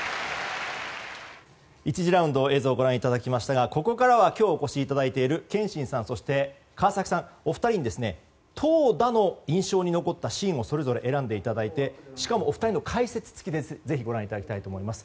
１次ラウンド、映像をご覧いただきましたがここからは今日お越しいただいている憲伸さん、そして川崎さん、お二人に投打の印象に残ったシーンをそれぞれ選んでいただいてしかもお二人の解説付きで、ぜひご覧いただきたいと思います。